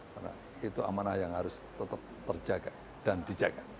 karena itu amanah yang harus tetap terjaga dan dijaga